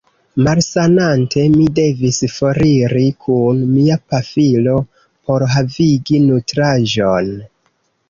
Malsanante, mi devis foriri kun mia pafilo por havigi nutraĵon.